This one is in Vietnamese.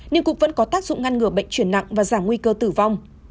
niềm cục vẫn có tác dụng ngăn ngừa bệnh chuyển nặng và giảm nguy cơ tử vong